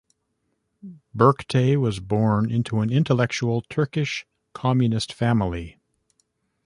Berktay was born into an intellectual Turkish Communist family.